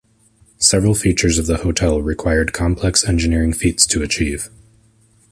Several features of the hotel required complex engineering feats to achieve.